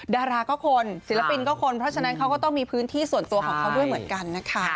ดาราก็คนศิลปินก็คนเพราะฉะนั้นเขาก็ต้องมีพื้นที่ส่วนตัวของเขาด้วยเหมือนกันนะคะ